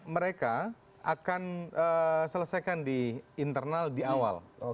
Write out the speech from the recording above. mereka akan selesaikan di internal di awal